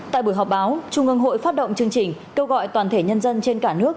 tại buổi họp báo trung ương hội phát động chương trình kêu gọi toàn thể nhân dân trên cả nước